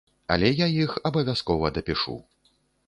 Але я іх абавязкова дапішу.